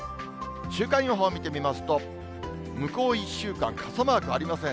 週間予報見てみますと、向こう１週間、傘マークありません。